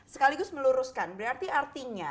sekaligus meluruskan berarti artinya